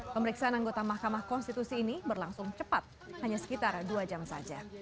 pemeriksaan anggota mahkamah konstitusi ini berlangsung cepat hanya sekitar dua jam saja